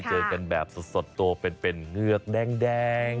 เจอกันแบบสดตัวเป็นเงือกแดง